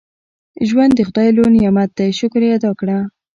• ژوند د خدای لوی نعمت دی، شکر یې ادا کړه.